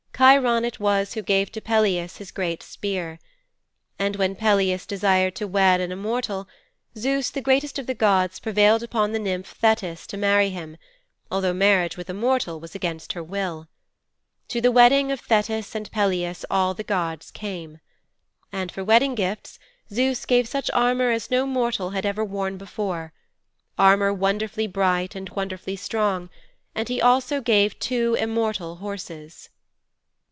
Cheiron it was who gave to Peleus his great spear. And when Peleus desired to wed an immortal, Zeus, the greatest of the gods, prevailed upon the nymph Thetis to marry him, although marriage with a mortal was against her will. To the wedding of Thetis and Peleus all the gods came. And for wedding gifts Zeus gave such armour as no mortal had ever worn before armour wonderfully bright and wonderfully strong, and he gave also two immortal horses.